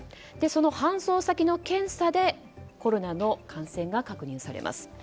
その搬送先の検査でコロナの感染が確認されます。